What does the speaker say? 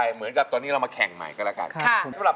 เหมือนว่าเรื่องเป็นแข่งใหม่กันนะครับ